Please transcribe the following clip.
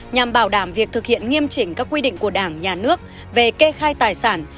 nhằm bảo đảm việc thực hiện nghiêm chỉnh các quy định của đảng nhà nước về kê khai tài sản